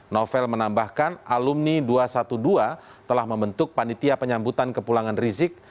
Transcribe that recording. novel menambahkan alumni dua ratus dua belas telah membentuk panitia penyambutan kepulangan rizik